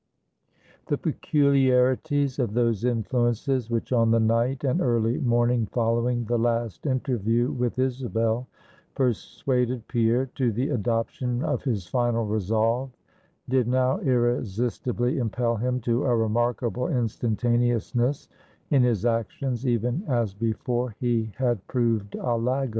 The peculiarities of those influences which on the night and early morning following the last interview with Isabel, persuaded Pierre to the adoption of his final resolve, did now irresistibly impel him to a remarkable instantaneousness in his actions, even as before he had proved a lagger.